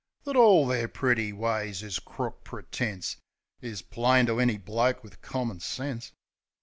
That all their pretty ways is crook pretence Is plain to any bloke wiv common sense.